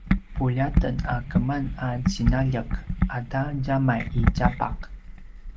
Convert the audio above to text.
puljaten a keman a tjinaljek ata djamai i tjapaq